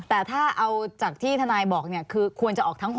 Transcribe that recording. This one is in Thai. แต่ถ้าเอาจากที่ทนายบอกคือควรจะออกทั้ง๖